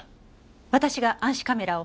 私が暗視カメラを。